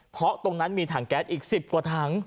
เพราะตรงนั้นมีถังแก๊สอีก๑๐กว่าถัง